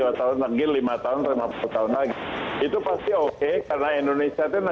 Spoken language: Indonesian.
pemimpin dari kolegial